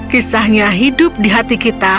kisahnya hidup di hati kita